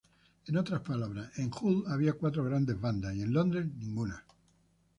En otras palabras, en Hull había cuatro grandes bandas y en Londres ninguna.